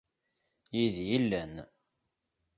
Yid-i i llan.